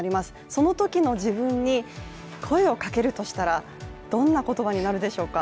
そのときの自分に声をかけるとしたらどんな言葉になるでしょうか。